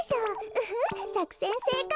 ウフッさくせんせいこう。